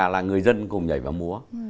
là người dân cùng nhảy vào múa